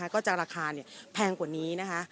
ก็จะราคาแพงกว่านี้นะคะ